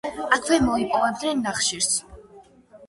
აქვე მოიპოვებდნენ ნახშირს.